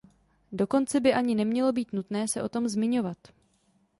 Dokonce by ani nemělo být nutné se o tom zmiňovat.